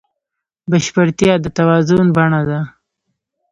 بشپړتیا د توازن بڼه ده.